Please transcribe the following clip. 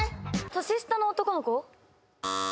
「年下の男の子」？